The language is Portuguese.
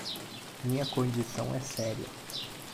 Minha condição é séria.